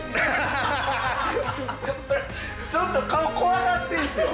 ちょっと顔怖なってんすよ。